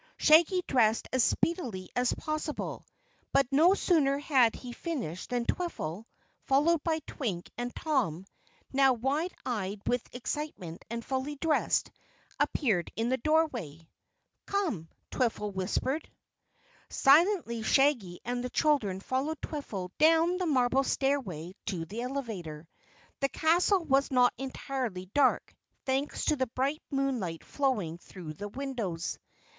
Shaggy dressed as speedily as possible, but no sooner had he finished than Twiffle, followed by Twink and Tom, now wide eyed with excitement and fully dressed, appeared in the doorway. "Come," Twiffle whispered. Silently Shaggy and the children followed Twiffle down the marble stairway to the elevator. The castle was not entirely dark, thanks to the bright moonlight flowing through the windows.